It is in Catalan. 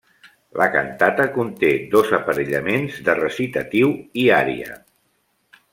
La cantata conté dos aparellaments de recitatiu i ària.